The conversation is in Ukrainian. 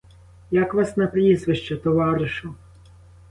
Як вас на прізвище, товаришу?